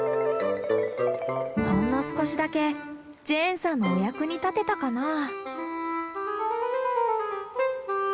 ほんの少しだけジェーンさんのお役に立てたかなぁ。